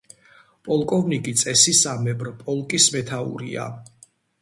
პოლკოვნიკი წესისამებრ პოლკის მეთაურია.